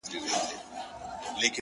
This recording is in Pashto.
• گوره ځوانـيمـرگ څه ښـه وايــي ـ